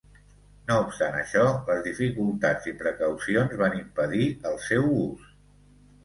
No obstant això, les dificultats i precaucions van impedir el seu ús.